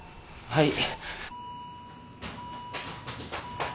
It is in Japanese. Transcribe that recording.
はい！